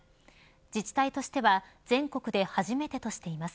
自治体としては全国で初めてとしています。